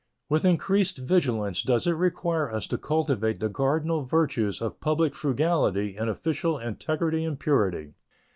With increased vigilance does it require us to cultivate the cardinal virtues of public frugality and official integrity and purity.